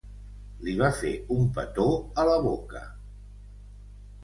Li va fer un petó a la boca.